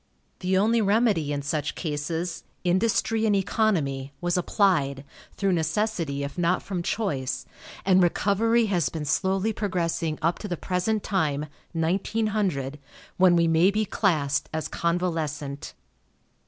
The only remedy in such cases industry and economy was applied, through necessity if not from choice, and recovery has been slowly progressing up to the present time (1900), when we may be classed as convalescent.